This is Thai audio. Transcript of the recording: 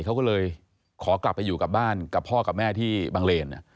เขาก็เลยขอกลับไปอยู่กับบ้านกับพ่อกับแม่ที่บังเลน